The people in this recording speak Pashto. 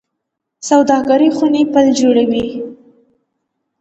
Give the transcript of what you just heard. سوداګرۍ خونې پل جوړوي